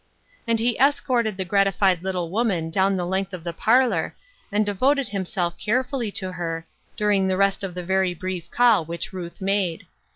And he escorted the gratified little woman down the length of the parlor, and devoted him self carefully to her, during the rest of the very brief call which Ruth made.